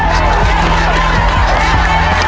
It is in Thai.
สิบแปด